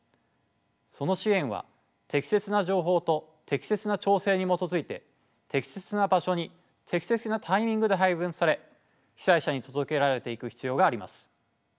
その支援は適切な情報と適切な調整に基づいて適切な場所に適切なタイミングで配分され被災者に届けられていく必要があります。